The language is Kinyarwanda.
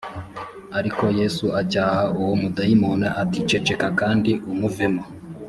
ariko yesu acyaha uwo mudayimoni ati ceceka kandi umuvemo